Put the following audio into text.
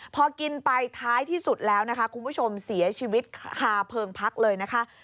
พอกินไปท้ายที่สุดแล้วนะคะคุณผู้ชมเสียชีวิตคาเพลิงพักเลยนะคะ